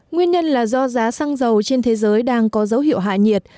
nguyên nhân là do giá xăng dầu trên thế giới đang có dấu hiệu hạ nhiệt